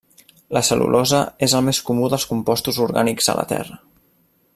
La cel·lulosa és el més comú dels compostos orgànics a la terra.